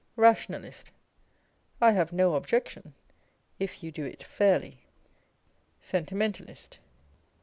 Rationalist. I have no objection if you do it fairly. Sentimentalist.